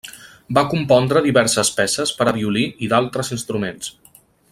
Va compondre diverses peces per a violí i d'altres instruments.